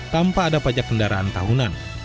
tanpa ada pajak kendaraan tahunan